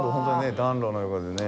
暖炉の横でね。